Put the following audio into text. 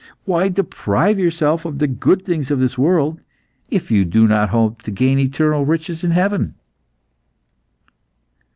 Why deprive yourself of the good things of this world if you do not hope to gain eternal riches in heaven?"